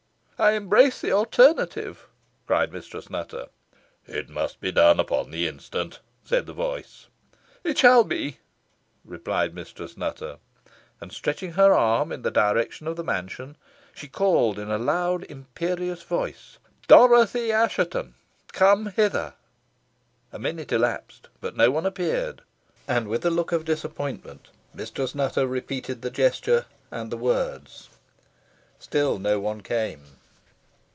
"I embrace the alternative," cried Mistress Nutter. "It must be done upon the instant," said the voice. "It shall be," replied Mistress Nutter. And, stretching her arm in the direction of the mansion, she called in a loud imperious voice, "Dorothy Assheton, come hither!" A minute elapsed, but no one appeared, and, with a look of disappointment, Mistress Nutter repeated the gesture and the words. Still no one came.